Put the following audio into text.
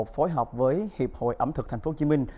phối hợp với hiệp hội ẩm thực tp hcm